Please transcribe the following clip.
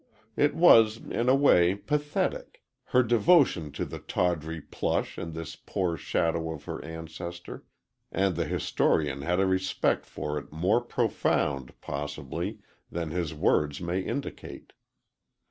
It was, in a way, pathetic her devotion to the tawdry plush and this poor shadow of her ancestor and the historian has a respect for it more profound, possibly, than his words may indicate.